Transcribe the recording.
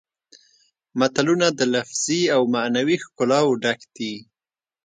متلونه د لفظي او معنوي ښکلاوو ډک دي